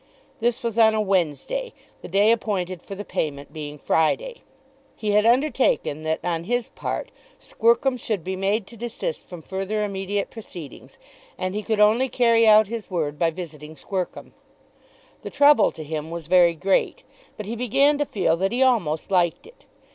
This was on a Wednesday, the day appointed for the payment being Friday. He had undertaken that, on his part, Squercum should be made to desist from further immediate proceedings, and he could only carry out his word by visiting Squercum. The trouble to him was very great, but he began to feel that he almost liked it.